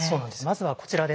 まずはこちらです。